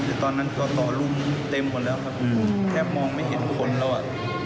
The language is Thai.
คือตอนนั้นก็ต่อลุมเต็มหมดแล้วครับแทบมองไม่เห็นคนแล้วอ่ะ